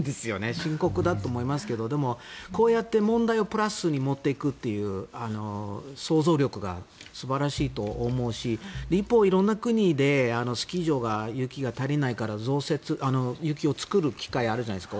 深刻だと思いますけどこうやって問題をプラスに持っていくという想像力が素晴らしいと思うし一方、色んな国でスキー場が雪が足りないから雪を作る機械あるじゃないですか。